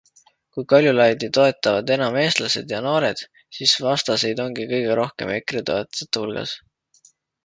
Kui Kaljulaidi toetavad enam eestlased ja noored, siis vastaseid ongi kõige rohkem EKRE toetajate hulgas.